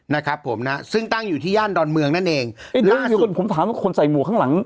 นะครับผมนะซึ่งตั้งอยู่ที่ย่านดอนเมืองนั่นเองล่าสุดผมถามว่าคนใส่หมวกข้างหลัง